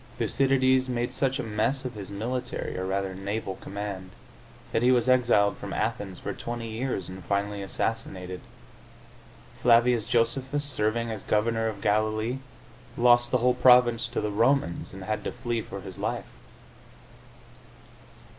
Thycydides made such a mess of his military (or, rather, naval) command that he was exiled from Athens for twenty years and finally assassinated. Flavius Josephus, serving as governor of Galilee, lost the whole province to the Romans, and had to flee for his life.